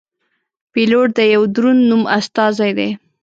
پیلوټ د یوه دروند نوم استازی دی.